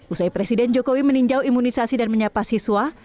usai presiden jokowi meninjau imunisasi dan menyapa siswa